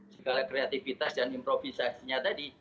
segala kreativitas dan improvisasinya tadi